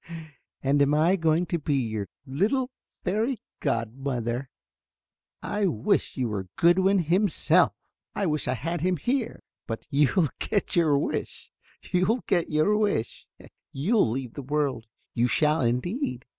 "And I am going to be your little fairy godmother. I wish you were Goodwin himself! I wish I had him here. But you'll get your wish you'll get your wish. You'll leave the world, you shall, indeed."